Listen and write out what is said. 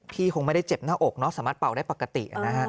คงไม่ได้เจ็บหน้าอกเนอะสามารถเป่าได้ปกตินะฮะ